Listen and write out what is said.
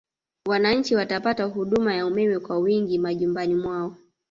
Wananchi watapata huduma ya umeme kwa wingi majumbani mwao